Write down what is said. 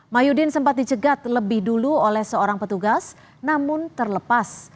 mahyudin sempat dicegat lebih dulu oleh seorang petugas namun terlepas